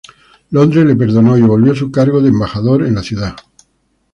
Londres le perdonó y volvió su cargo de embajador en la ciudad.